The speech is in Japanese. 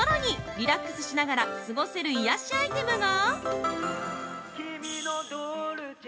リラックスしながら過ごせる癒やしアイテムが。